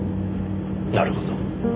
なるほど。